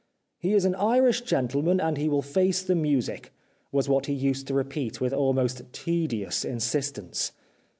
" He is an Irish gentleman, and he will face the music," was what he used to repeat with almost tedious in sistence.